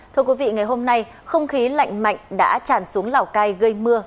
thưa quý vị ngày hôm nay không khí lạnh mạnh đã tràn xuống lào cai gây mưa